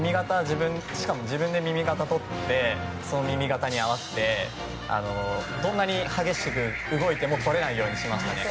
自分で耳型とってその耳型に合わせてどんなに激しく動いても取れないようにしましたね。